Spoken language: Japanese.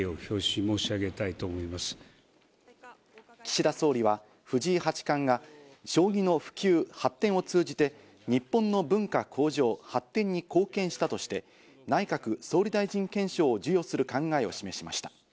岸田総理は、藤井八冠が将棋の普及、発展を通じて日本の文化向上、発展に貢献したとして、内閣総理大臣顕彰を授与する考えを示しました。